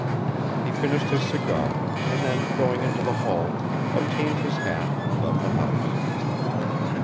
He finished his cigar, and then going into the hall obtained his hat and left the house.